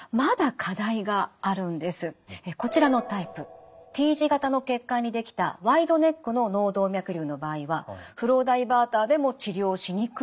こちらのタイプＴ字形の血管にできたワイドネックの脳動脈瘤の場合はフローダイバーターでも治療しにくいんです。